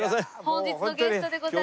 本日のゲストでございます。